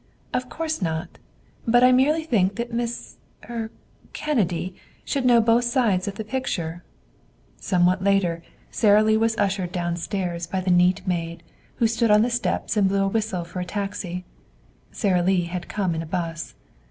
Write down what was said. "Of course not. But I merely think that Miss er Kennedy should know both sides of the picture." Somewhat later Sara Lee was ushered downstairs by the neat maid, who stood on the steps and blew a whistle for a taxi Sara Lee had come in a bus.